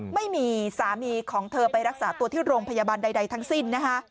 ไม่มีสามีของเธอไปรักษาตัวที่โรงพยาบาลใดทั้งสิ้นนะคะ